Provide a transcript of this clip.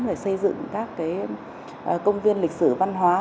để xây dựng các công viên lịch sử văn hóa